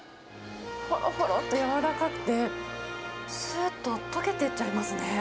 ほろほろっと柔らかくて、すーっととけてっちゃいますね。